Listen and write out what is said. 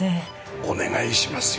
お願いしますよ。